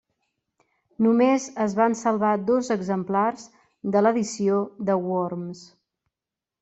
Només es van salvar dos exemplars de l'edició de Worms.